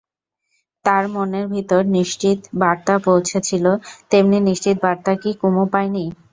তাঁর মনের ভিতরে নিশ্চিত বার্তা পৌঁচেছিল– তেমনি নিশ্চিত বার্তা কি কুমু পায় নি?